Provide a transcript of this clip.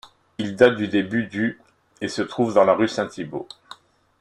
Il date du début du et se trouve dans la rue Saint-Thibaut.